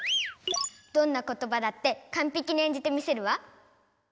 どんなことばだってかんぺきに演じてみせるわ。